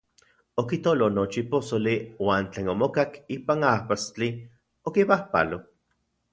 Okitolo nochi posoli uan tlen omokak ipan ajpastli, okipajpalo.